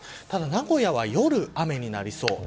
ただ名古屋は夜、雨になりそう。